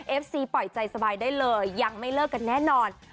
เอฟซีปล่อยใจสบายได้เลยยังไม่เลิกกันแน่นอน